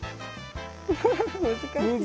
ウフフフ難しい。